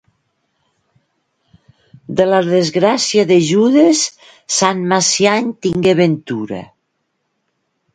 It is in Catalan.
De la desgràcia de Judes sant Macià en tingué ventura.